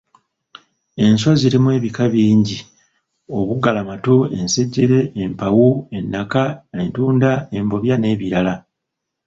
Enswa zirimu ebika bingi: obuggalamatu, ensejjere, empawu, ennaka, entunda, embobya n’ebirala.